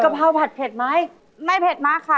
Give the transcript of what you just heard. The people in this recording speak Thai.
ช่วยปลอกกะเพราอย่างนี้ค่ะ